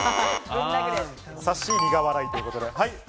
さっしー、苦笑いということで。